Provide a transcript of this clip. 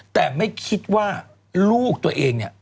แต่ไม่คิดว่าลูกตัวเองเนี่ย